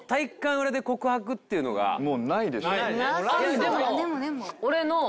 でも。